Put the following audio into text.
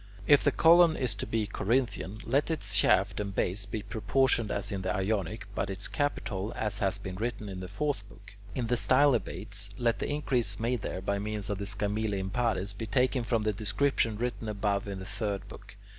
If the column is to be Corinthian, let its shaft and base be proportioned as in the Ionic, but its capital, as has been written in the fourth book. In the stylobates, let the increase made there by means of the "scamilli impares" be taken from the description written above in the third book.